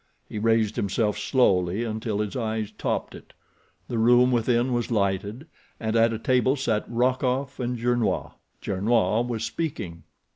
He raised himself slowly until his eyes topped it. The room within was lighted, and at a table sat Rokoff and Gernois. Gernois was speaking.